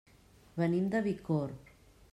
Venim de Bicorb.